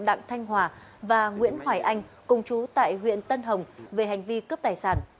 đặng thanh hòa và nguyễn hoài anh công chú tại huyện tân hồng về hành vi cướp tài sản